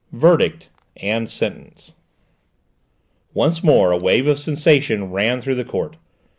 VERDICT AND SENTENCE Once more a wave of sensation ran through the court.